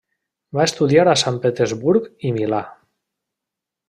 Va estudiar a Sant Petersburg i Milà.